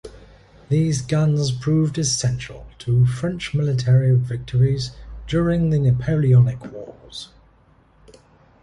These guns proved essential to French military victories during the Napoleonic wars.